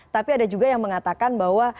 tapi ada juga yang mengatakan bahwa